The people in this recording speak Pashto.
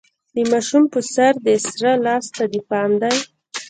د ماشوم په سر، دې سره لاس ته دې پام دی؟